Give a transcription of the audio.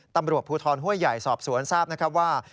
ตำรวจภูทรห้วยใหญ่สอบสวนทราบนะครับว่า